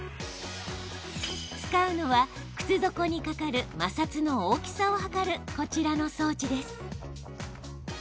使うのは、靴底にかかる摩擦の大きさを測るこちらの装置です。